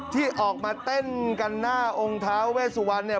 ที่ออกมาเต้นกันหน้าองค์ท้าเวสุวรรณเนี่ย